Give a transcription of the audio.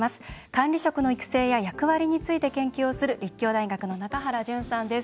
管理職の育成や役割について研究をする立教大学の中原淳さんです。